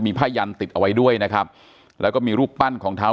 ผ้ายันติดเอาไว้ด้วยนะครับแล้วก็มีรูปปั้นของเท้า